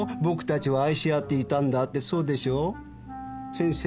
先生。